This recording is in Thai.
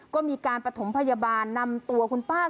ก็มีการประถมพยาบาลนำตัวคุณป้า